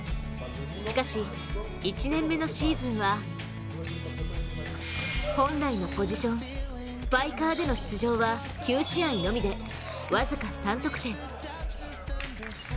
しかし、１年目のシーズンは本来のポジションスパイカーでの出場は９試合のみで僅か３得点。